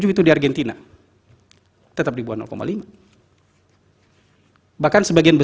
tiga ratus tiga puluh tujuh itu di argentina tetap di bawah lima